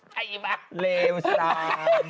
ใช่ไหมเลวสาว